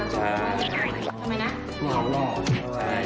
ทำไมไม้เหนาเหรอ